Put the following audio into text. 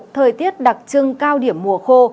thời tiết đặc trưng cao điểm mùa khô